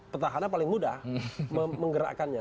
petahana paling mudah menggerakkannya